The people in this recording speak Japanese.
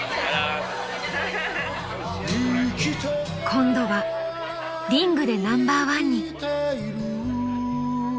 ［今度はリングでナンバーワンに］